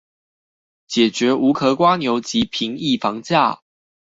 解決無殼蝸牛及平抑房價